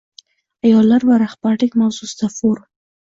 Ayollar va rahbarlik mavzusida forum